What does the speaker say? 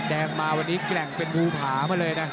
แดงมาวันนี้แกร่งเป็นภูผามาเลยนะ